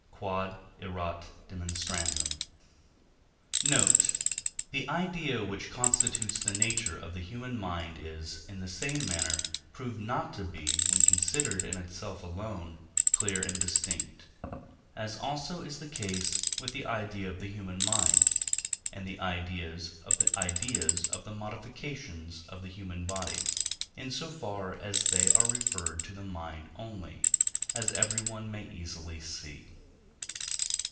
Q.E.D. Note. The idea which constitutes the nature of the human mind is, in the same manner, proved not to be, when considered in itself alone, clear and distinct; as also is the case with the idea of the human mind, and the ideas of the ideas of the modifications of the human body, in so far as they are referred to the mind only, as everyone may easily see.